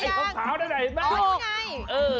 ไอ้ข้าวนั่นไง